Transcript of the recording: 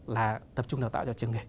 là tập trung đào tạo cho trường nghề